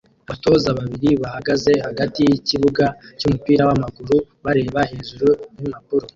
Abatoza babiri bahagaze hagati yikibuga cyumupira wamaguru bareba hejuru yimpapuro